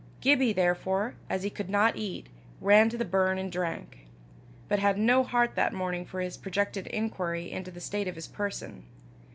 Gibbie, therefore, as he could not eat, ran to the burn and drank but had no heart that morning for his projected inquiry into the state of his person.